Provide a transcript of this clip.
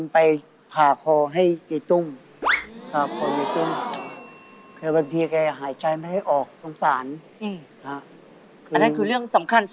ไม่ห่วงแต่รักมากห่วง